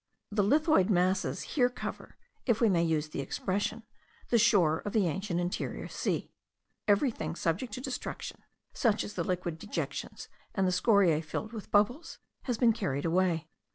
The lithoid masses here cover, if we may use the expression, the shore of the ancient interior sea; everything subject to destruction, such as the liquid dejections, and the scoriae filled with bubbles, has been carried away.